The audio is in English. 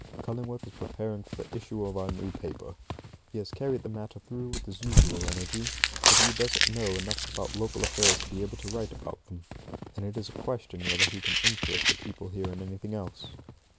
Cullingworth is preparing for the issue of our new paper. He has carried the matter through with his usual energy, but he doesn't know enough about local affairs to be able to write about them, and it is a question whether he can interest the people here in anything else.